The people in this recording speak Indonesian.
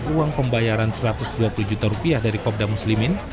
uang pembayaran satu ratus dua puluh juta rupiah dari kopda muslimin